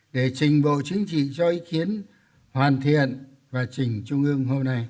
để trình bộ chính trị cho ý kiến hoàn thiện và trình trung ương hôm nay